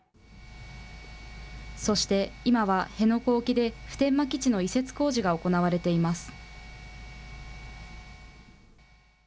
そして今は辺野古沖で普天間基地の移設工事が行われています。